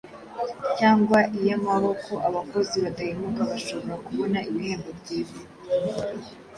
cyangwa iy’amaboko, abakozi badahemuka bashobora kubona ibihembo byiza.